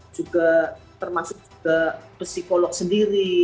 juga termasuk juga psikolog sendiri